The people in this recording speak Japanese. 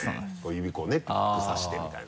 指こうねピッと差してみたいな。